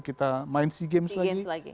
kemudian sea games lagi